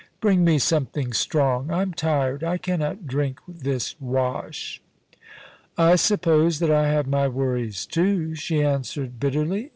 Bring me something strong. I'm tired ; I cannot drink this wash.' * I suppose that I have my worries too,' she answered bitterly.